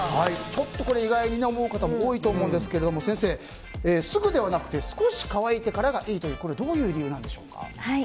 ちょっと意外に思う方も多いと思うんですけど先生、すぐではなくて少し乾いてからがいいということはどういう理由からですか？